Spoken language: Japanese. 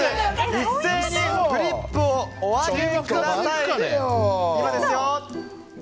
一斉にフリップをお上げください。